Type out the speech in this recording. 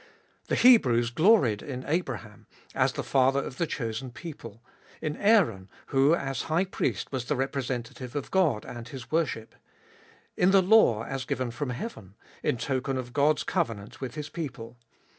The Hebrews gloried in Abraham, as the father of the chosen people ; in Aaron, who as high priest was the representative of God and His worship ; in the law as given from heaven, in token of God's covenant with His people.